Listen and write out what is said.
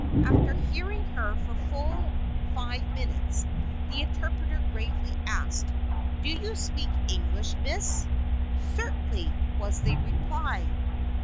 After hearing her for full five minutes, the interpreter gravely asked: "Do you speak English, Miss?" "Certainly," was the reply.